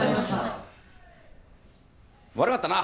悪かったな。